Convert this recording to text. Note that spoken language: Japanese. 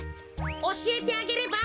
おしえてあげれば？